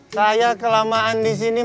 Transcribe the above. saya kelamaan disini